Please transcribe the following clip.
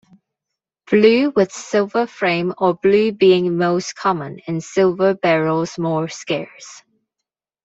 Blue with silver frame or blue being most common and silver barrels more scarce.